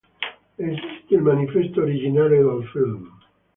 Esiste il manifesto originale del film.